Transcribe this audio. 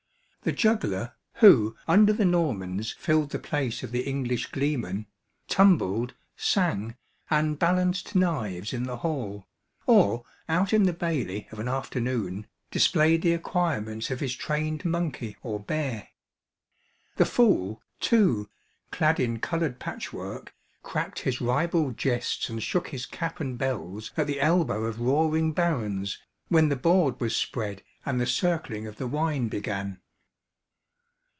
The juggler, who under the Normans filled the place of the English gleeman, tumbled, sang, and balanced knives in the hall; or, out in the bailey of an afternoon, displayed the acquirements of his trained monkey or bear. The fool, too, clad in coloured patchwork, cracked his ribald jests and shook his cap and bells at the elbow of roaring barons, when the board was spread and the circling of the wine began.